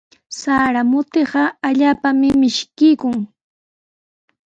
Sara mutiqa allaapami mishkiykun.